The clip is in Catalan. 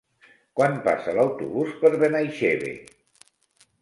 Quan passa l'autobús per Benaixeve?